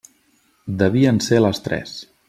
Devien ser les tres.